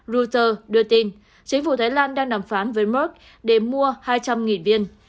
reuters đưa tin chính phủ thái lan đang đàm phán với mork để mua hai trăm linh viên